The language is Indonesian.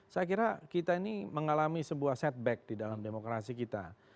saya kira kita ini mengalami sebuah setback di dalam demokrasi kita